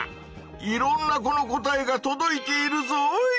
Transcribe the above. いろんな子の答えがとどいているぞい！